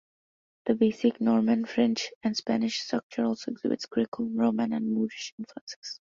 The basic Norman-French and Spanish structure also exhibits Greco-Roman and Moorish influences.